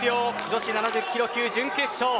女子７０キロ級準決勝。